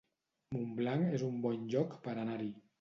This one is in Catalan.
Montblanc es un bon lloc per anar-hi